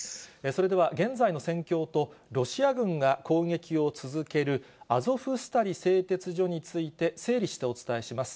それでは、現在の戦況と、ロシア軍が攻撃を続けるアゾフスタリ製鉄所について、整理してお伝えします。